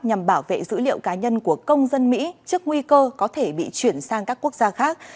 nhằm bảo vệ dữ liệu cá nhân của công dân mỹ trước nguy cơ có thể bị chuyển sang các quốc gia khác